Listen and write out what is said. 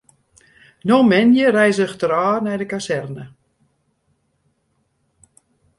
No moandei reizget er ôf nei de kazerne.